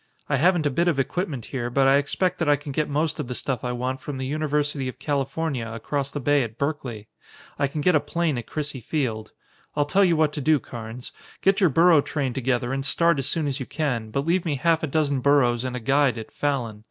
I haven't a bit of equipment here, but I expect that I can get most of the stuff I want from the University of California across the bay at Berkeley. I can get a plane at Crissy Field. I'll tell you what to do, Carnes. Get your burro train together and start as soon as you can, but leave me half a dozen burros and a guide at Fallon.